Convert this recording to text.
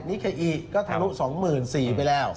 นี่แค่อีกก็ทะลุ๒๔๐๐๐ไปแล้ว